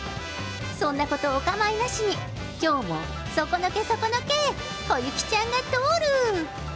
そんなことお構いなしに、きょうも、そこのけ、そこのけ、こゆきちゃんが通る。